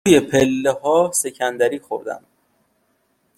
روی پله ها سکندری خوردم.